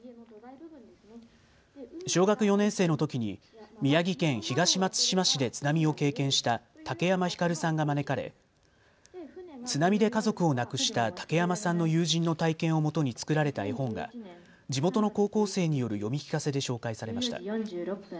小学４年生のときに宮城県東松島市で津波を経験した武山ひかるさんが招かれ津波で家族を亡くした武山さんの友人の体験をもとに作られた絵本が地元の高校生による読み聞かせで紹介されました。